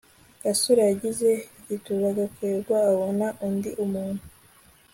gasore yagize igituba gakwego abona undi muntu